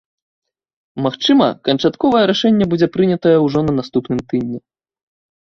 Магчыма, канчатковае рашэнне будзе прынятае ўжо на наступным тыдні.